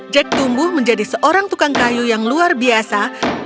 jack tumbuh menjadi seorang tukang kayu yang luar biasa